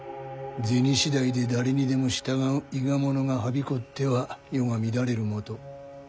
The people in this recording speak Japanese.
銭次第で誰にでも従う伊賀者がはびこっては世が乱れるもと。